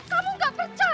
kamu nggak percaya ya